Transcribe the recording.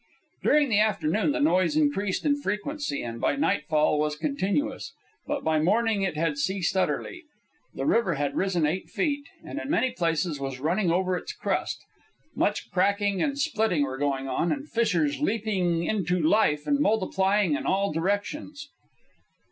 During the afternoon the noise increased in frequency, and by nightfall was continuous, but by morning it had ceased utterly. The river had risen eight feet, and in many places was running over its crust. Much crackling and splitting were going on, and fissures leaping into life and multiplying in all directions.